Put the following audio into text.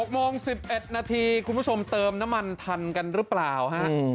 ๖โมง๑๑นาทีคุณผู้ชมเติมน้ำมันทันกันหรือเปล่าฮะ